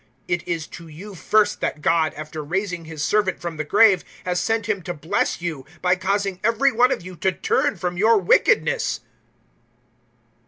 003:026 It is to you first that God, after raising His Servant from the grave, has sent Him to bless you, by causing every one of you to turn from your wickedness."